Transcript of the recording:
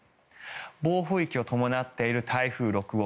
暴風域を伴っている台風６号